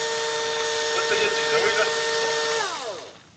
D atay azegzaw ay la tettesseḍ?